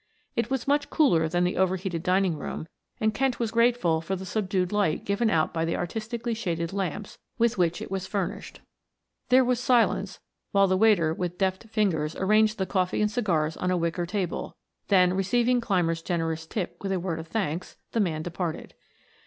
It was much cooler than the over heated dining room, and Kent was grateful for the subdued light given out by the artistically shaded lamps with which it was furnished. There was silence while the waiter with deft fingers arranged the coffee and cigars on a wicker table; then receiving Clymer's generous tip with a word of thanks, the man departed.